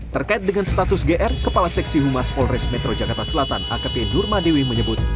terkait dengan status gr kepala seksi humas polres metro jakarta selatan akp nurmadewi menyebut